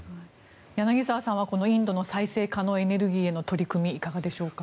柳澤さんはこのインドの再生可能エネルギーへの取り組みいかがでしょうか。